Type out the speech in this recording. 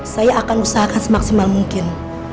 saya akan usahakan semaksimal mungkin